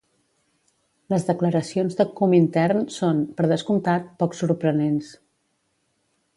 Les declaracions de Comintern són, per descomptat, poc sorprenents.